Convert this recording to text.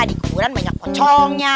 di kuburan banyak pocongnya